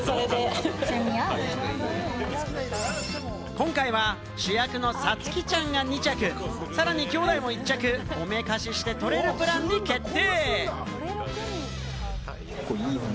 今回は主役のさつきちゃんが２着、さらに、きょうだいも１着おめかしして撮れるプランに決定。